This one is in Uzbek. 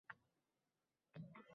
Yangilik yaratishdan qo’rqmang